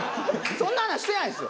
そんな話してないですよ。